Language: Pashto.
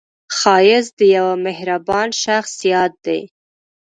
ښایست د یوه مهربان شخص یاد دی